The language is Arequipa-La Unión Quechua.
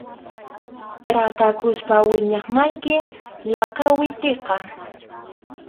Ratakuspa wiñaq mallkim lakawitiqa.